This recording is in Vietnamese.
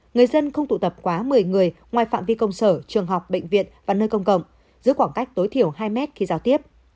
người dân không tụ tập quá một mươi người ngoài phạm vi công sở trường học bệnh viện và nơi công cộng giữ khoảng cách tối thiểu hai mét khi giao tiếp